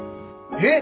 えっ！？